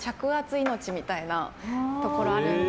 命みたいなところがあるので。